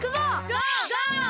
ゴー！